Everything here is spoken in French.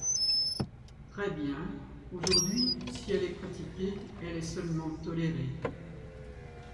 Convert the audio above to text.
Très bien ! Aujourd’hui, si elle est pratiquée, elle est seulement tolérée.